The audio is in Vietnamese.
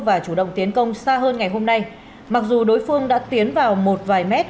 và chủ động tiến công xa hơn ngày hôm nay mặc dù đối phương đã tiến vào một vài mét